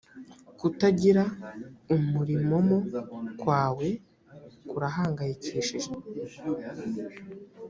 kutagira umurimomo kwawe, kurahangayikishije